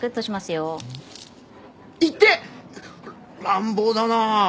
乱暴だな。